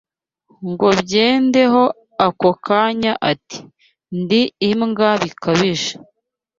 Ngo byende ho akanya Ati: ndi imbwa bikabije